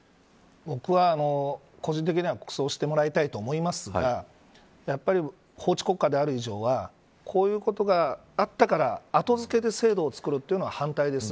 僕は個人的には国葬してもらいたいと思いますがやっぱり、法治国家である以上はこういうことがあったから、後付けで制度を作るというのは反対です。